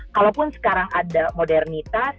kalaupun sekarang ada modernitas